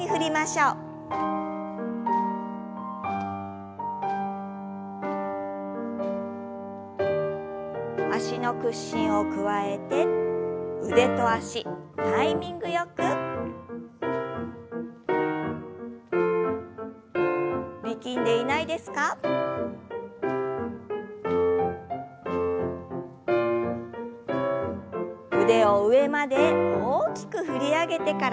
腕を上まで大きく振り上げてから力を抜いて。